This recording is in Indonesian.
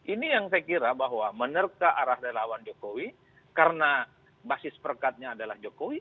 ini yang saya kira bahwa menerka arah relawan jokowi karena basis perekatnya adalah jokowi